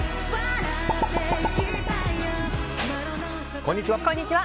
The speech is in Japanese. こんにちは。